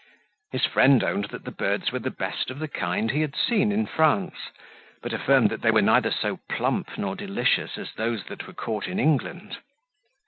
His friend owned that the birds were the best of the kind he had seen in France; but affirmed that they were neither so plump nor delicious as those that were caught in England.